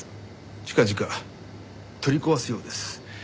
近々取り壊すようです。